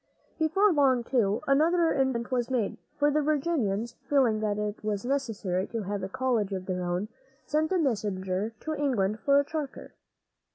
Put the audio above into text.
Before long, too, another improvement was made; for the Virginians, feeling that it was necessary to have a college of their own, sent a messenger to England for a charter.